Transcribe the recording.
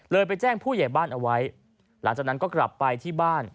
ไปแจ้งผู้ใหญ่บ้านเอาไว้หลังจากนั้นก็กลับไปที่บ้าน